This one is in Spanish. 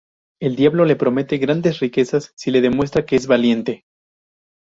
El diablo le promete grandes riquezas si le demuestra que es valiente.